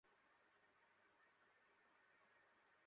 নিজেদের ইচ্ছে মত সুখী জীবন যাপন করবো।